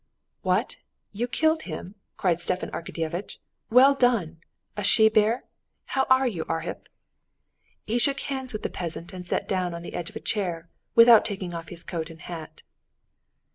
"What! you killed him?" cried Stepan Arkadyevitch. "Well done! A she bear? How are you, Arhip!" He shook hands with the peasant and sat down on the edge of a chair, without taking off his coat and hat.